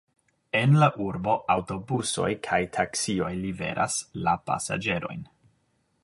En la urbo aŭtobusoj kaj taksioj liveras la pasaĝerojn.